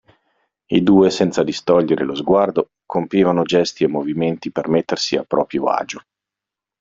I due, senza distogliere lo sguardo, compivano gesti e movimenti per mettersi a proprio agio.